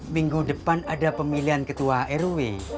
minggu depan ada pemilihan ketua rw